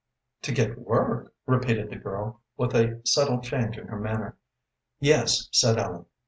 "To get work?" repeated the girl, with a subtle change in her manner. "Yes," said Ellen.